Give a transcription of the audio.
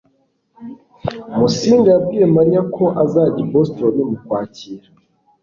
Musinga yabwiye Mariya ko azajya i Boston mu Kwakira.